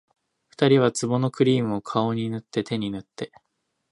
二人は壺のクリームを、顔に塗って手に塗って